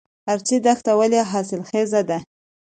ارچي دښته ولې حاصلخیزه ده؟